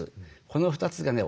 この２つがね